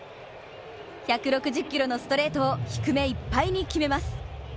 １６０キロのストレートを低めいっぱいに決めます。